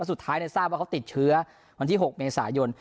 แล้วสุดท้ายในทราบเขาติดเชื้อวันที่๖เมษายน